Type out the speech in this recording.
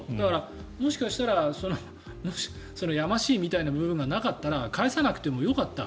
もしかしたらやましいみたいな部分がなかったら返さなくてもよかった。